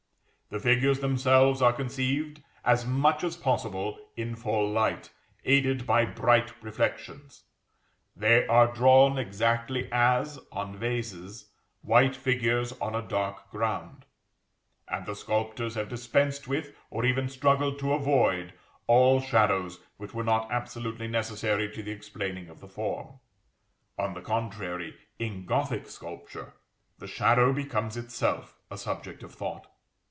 The figures themselves are conceived as much as possible in full light, aided by bright reflections; they are drawn exactly as, on vases, white figures on a dark ground: and the sculptors have dispensed with, or even struggled to avoid, all shadows which were not absolutely necessary to the explaining of the form. On the contrary, in Gothic sculpture, the shadow becomes itself a subject of thought.